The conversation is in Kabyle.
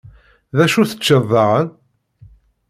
D acu teččiḍ daɣen?